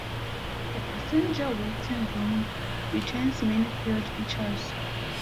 The passenger waiting room retains many period features.